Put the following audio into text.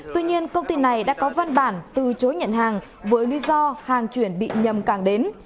tuy nhiên công ty này đã có văn bản từ chối nhận hàng với lý do hàng chuyển bị nhầm càng đến